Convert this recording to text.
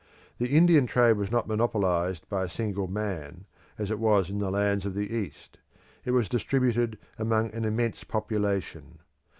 The Indian trade was not monopolised by a single man, as it was in the lands of the East. It was distributed among an immense population.